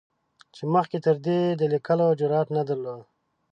چې مخکې تر دې یې د لیکلو جرعت نه درلود.